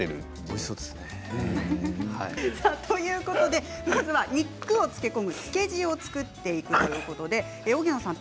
おいしそうですね。ということでまずは肉を漬け込む漬け地を作っていくということで荻野さん